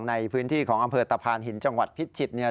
ในพื้นที่ของอำเภอตะพานหินจังหวัดพิจิตรเนี่ย